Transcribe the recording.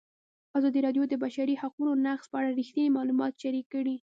ازادي راډیو د د بشري حقونو نقض په اړه رښتیني معلومات شریک کړي.